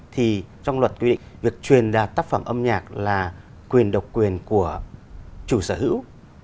thì trong luật quy định việc truyền đạt tác phẩm âm nhạc là quyền độc quyền của chủ sở hữu